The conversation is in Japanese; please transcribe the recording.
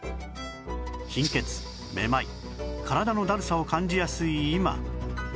貧血めまい体のだるさを感じやすい今